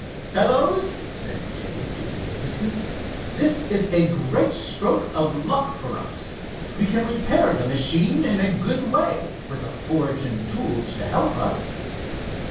"Fellows," said Dave, to his assistants, "this is a great stroke of luck for us. We can repair the machine in a good way, with a forge and tools to help us."